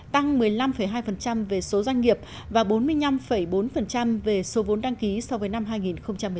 tăng một mươi năm hai về số doanh nghiệp và bốn mươi năm bốn về số vốn đăng ký so với năm hai nghìn một mươi tám